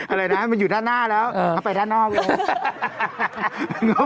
อะไรนะมันอยู่ด้านหน้าแล้วเข้าไปด้านนอกเลย